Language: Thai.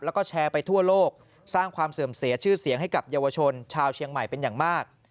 แล้วก็แชร์ไปทั่วโลกสร้างความเสื่อมเสียชื่อเสียงให้กับเยาวชนชาวเชียงใหม่เป็นอย่างมาก